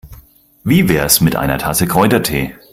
Wie wär's mit einer Tasse Kräutertee?